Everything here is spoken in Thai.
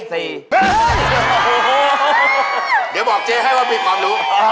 เดี๋ยวบอกเจ๊ให้ว่ามีความรู้